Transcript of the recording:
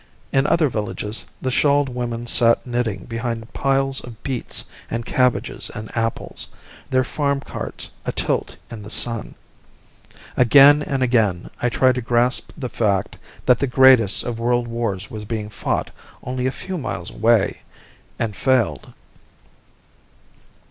In other villages the shawled women sat knitting behind piles of beets and cabbages and apples, their farm carts atilt in the sun. Again and again I tried to grasp the fact that the greatest of world wars was being fought only a few miles away and failed.